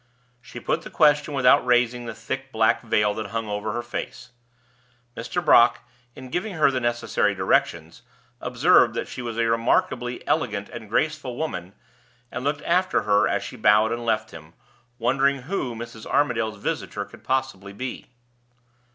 She put the question without raising the thick black veil that hung over her face. Mr. Brock, in giving her the necessary directions, observed that she was a remarkably elegant and graceful woman, and looked after her as she bowed and left him, wondering who Mrs. Armadale's visitor could possibly be.